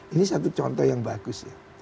ini satu contoh yang bagus ya